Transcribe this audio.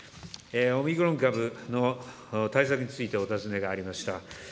オミクロン株の対策についてお尋ねがありました。